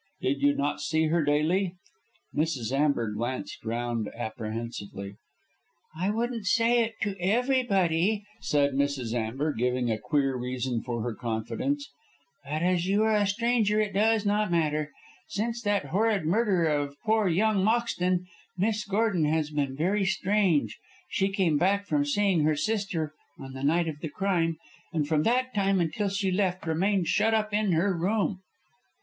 "Did you not see her daily?" Mrs. Amber glanced round apprehensively. "I wouldn't say it to everybody," said Mrs. Amber, giving a queer reason for her confidence, "but as you are a stranger it does not matter. Since that horrid murder of poor young Moxton, Miss Gordon has been very strange. She came back from seeing her sister on the night of the crime, and from that time until she left, remained shut up in her room."